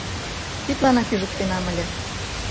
— Тидланак ӱжыктенам ыле.